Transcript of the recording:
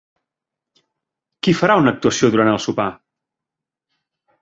Qui farà una actuació durant el sopar?